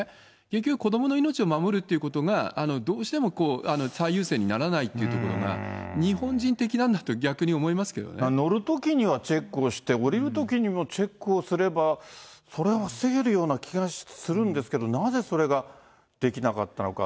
結局子どもの命を守るっていうことが、どうしても最優先にならないというところが、日本人的なん乗るときにはチェックをして、降りるときにもチェックをすれば、それは防げるような気がするんですけど、なぜそれができなかったのか。